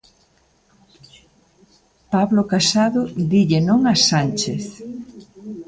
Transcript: Pablo Casado dille non a Sánchez.